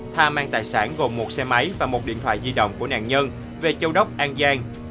tha mang tài sản gồm một xe máy và một điện thoại di động của nạn nhân về châu đốc an giang